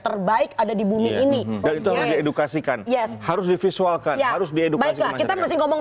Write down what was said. terbaik ada di bumi ini dan itu harus diedukasikan ya harus divisualkan harus diedukasi masyarakat masih ngomong